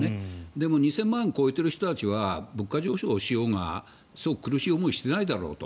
でも２０００万円を超えている人たちは物価上昇しようが苦しい思いをしていないだろうと。